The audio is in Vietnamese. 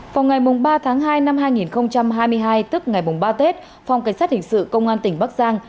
vào ngày ba tháng hai năm hai nghìn hai mươi hai tức ngày ba tết phòng cảnh sát hình sự công an tỉnh bắc giang